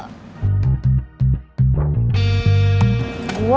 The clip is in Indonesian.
udah gak ada berbunyi